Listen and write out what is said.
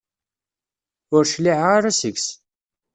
Ur cliɛeɣ ara seg-s.